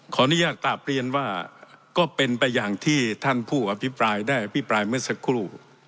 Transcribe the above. ขออนุญาตกลับเรียนว่าก็เป็นไปอย่างที่ท่านผู้อภิปรายได้อภิปรายเมื่อสักครู่